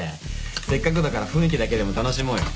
せっかくだから雰囲気だけでも楽しもうよ。